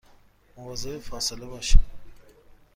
مواظب فاصله باشید